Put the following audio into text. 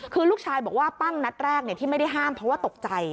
คือลูกชายบอกว่าปั้งนัดแรกที่ไม่ได้ห้ามเพราะว่าตกใจ